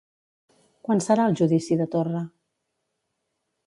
Quan serà el judici de Torra?